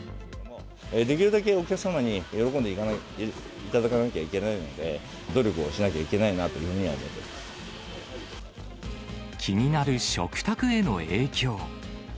できるだけお客様に喜んでいただかなきゃいけないので、努力をしなければいけないなとい気になる食卓への影響。